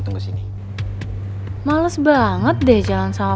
tunggu sini males banget deh jalan sama